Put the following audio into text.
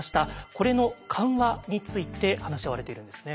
これの緩和について話し合われているんですね。